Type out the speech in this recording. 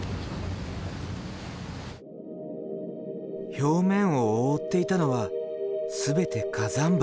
表面を覆っていたのは全て火山灰。